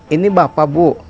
ini bapak bu